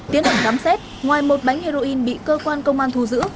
tiến hành khám xét ngoài một bánh heroin bị cơ quan công an thu giữ